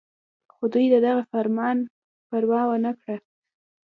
خو دوي د دغه فرمان پروا اونکړه